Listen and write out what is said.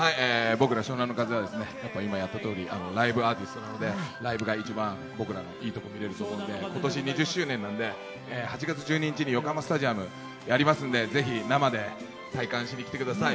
僕ら湘南乃風は今やった通り、ライブアーティストですので、ライブが僕らの一番いいところで出ると思うので、ことし２０周年なので、８月１２日、横浜スタジアムやりますので、ぜひ生で体感しに来てください。